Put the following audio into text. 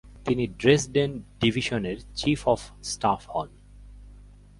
তিনি ড্রেসডেন ডিভিশনের chief of staff হন।